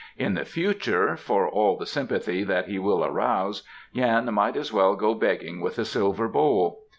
In the future, for all the sympathy that he will arouse, Yan might as well go begging with a silver bowl.